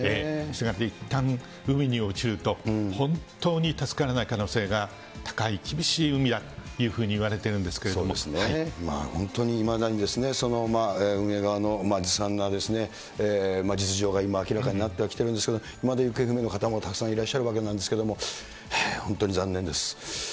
いったん海に落ちると、本当に助からない可能性が高い厳しい海だというふうにいわれてる本当にいまだに運営側のずさんな実情が今、明らかになってはきているんですけれども、まだ行方不明の方もたくさんいらっしゃるわけなんですけれども、本当に残念です。